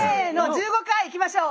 １５回いきましょう！